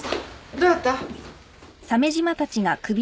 どうやった？